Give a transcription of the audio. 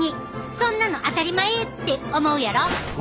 そんなの当たり前って思うやろ。